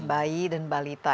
bayi dan balita